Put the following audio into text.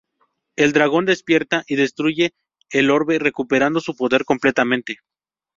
El dragón despierta y destruye el Orbe, recuperando su poder completamente.